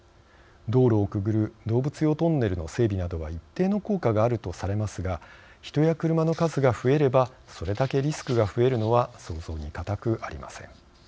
道路をくぐる動物用トンネルの整備などは一定の効果があるとされますが人や車の数が増えればそれだけリスクが増えるのは想像に難くありません。